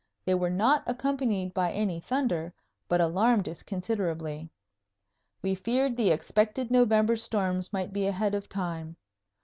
They were not accompanied by any thunder, but alarmed us considerably. We feared the expected November storms might be ahead of time.